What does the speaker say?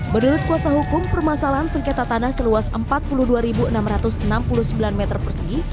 menurut kuasa hukum permasalahan sengketa tanah seluas empat puluh dua enam ratus enam puluh sembilan meter persegi